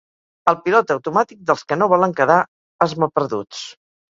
El pilot automàtic dels que no volen quedar esmaperduts.